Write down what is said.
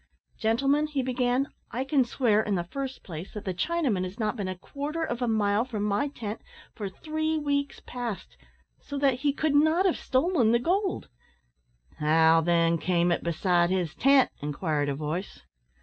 "Gentlemen," he began, "I can swear, in the first place, that the Chinaman has not been a quarter of a mile from my tent for three weeks past, so that he could not have stolen the gold " "How then came it beside his tent?" inquired a voice.